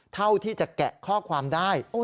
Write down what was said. เท่าที่จะแกะข้อความได้